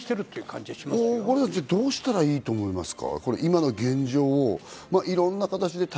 じゃあ、どうしたらいいと思いますか？